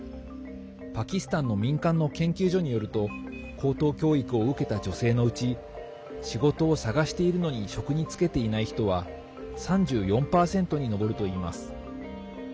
パキスタンの民間の研究所によると高等教育を受けた女性のうち仕事を探しているのに職に就けていない人は３４％に上るといいます。